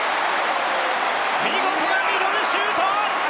見事なミドルシュート！